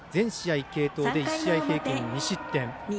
全試合継投で１試合平均２失点。